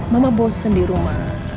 mama bosen di rumah